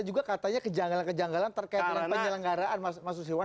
juga katanya kejanggalan kejanggalan terkait penyelenggaraan mas susiwan